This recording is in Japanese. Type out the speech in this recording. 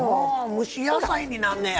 蒸し野菜になんねや！